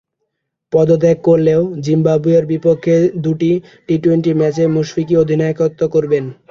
পদত্যাগ করলেও জিম্বাবুয়ের বিপক্ষে দুটি টি টোয়েন্টি ম্যাচে মুশফিকই অধিনায়কত্ব করবেন।